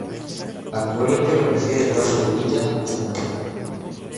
Actualmente lo preside Eduardo Ubilla Bustamante.